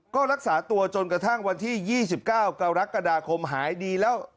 ก็รักษาตัวจนกระทั่งวันที่๒๙กรกฎาคมหายดีแล้ว